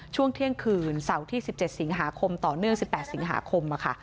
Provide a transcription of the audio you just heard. ช่วงเที่ยงคืนเสาร์ที่๑๗สิงหาคมต่อเนื่อง๑๘สิงหาคมค่ะ